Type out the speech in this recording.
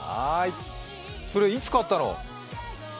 それ、いつ買ったの？